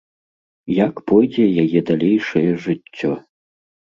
Як пойдзе яе далейшае жыццё?